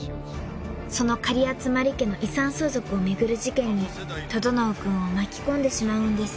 ［その狩集家の遺産相続を巡る事件に整君を巻き込んでしまうんです］